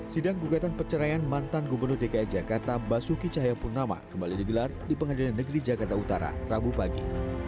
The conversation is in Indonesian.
sidang gugatan perceraian mantan gubernur dki jakarta basuki cahayapurnama kembali digelar di pengadilan negeri jakarta utara rabu pagi